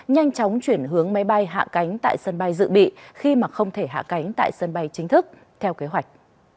nhanh chóng chuyển hướng máy bay hạ cánh tại sân bay dự bị khi mà không thể hạ cánh tại sân bay chính thức theo kế hoạch